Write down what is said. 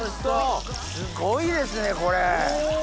すごいですねこれ。